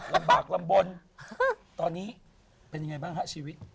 ลำบากลำบลตอนนี้เป็นยังไงบ้างฮะชีวิต